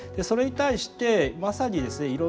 それに対してまさにですね